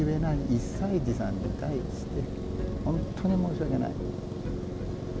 １歳児さんに対して、本当に申し訳ない。